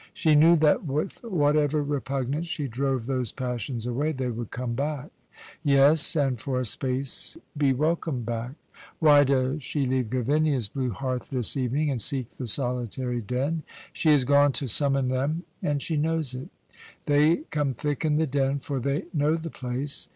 She knew that, with whatever repugnance she drove those passions away, they would come back yes, and for a space be welcomed back. Why does she leave Gavinia's blue hearth this evening, and seek the solitary Den? She has gone to summon them, and she knows it. They come thick in the Den, for they know the place.